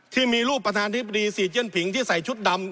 ที่มีรูปประธานธิบดีซีเจียนผิงที่ใส่ชุดดำ